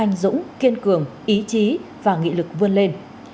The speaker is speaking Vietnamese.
anh dũng kiên cường ý chí và nghị lực vươn lên